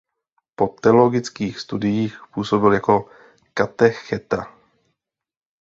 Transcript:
Po teologických studiích působil jako katecheta.